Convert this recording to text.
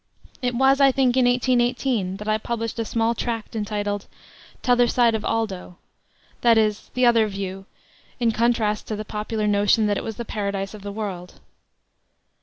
It was, I think, in 1818 that I published a small tract entitled 'Tother Side of Oldo that is, the other view, in contrast to the popular notion that it was the paradise of the world.